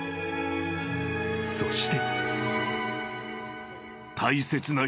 ［そして］